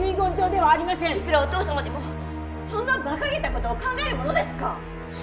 いくらお父様でもそんなばかげたことを考えるものですか！